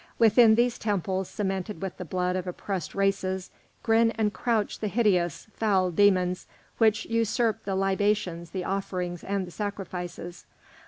Within these temples cemented with the blood of oppressed races grin and crouch the hideous, foul demons which usurp the libations, the offerings, and the sacrifices.